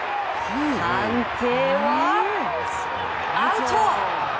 判定はアウト！